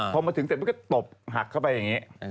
พอมาถึงเสร็จมันก็ตบหักเข้าไปอย่างนี้